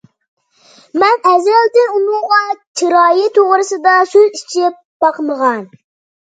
مەن ئەزەلدىن ئۇنىڭغا چىرايى توغرىسىدا سۆز ئېچىپ باقمىغانىدىم.